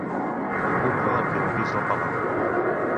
Ocupa el primer pis del palau.